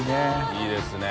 いいですね。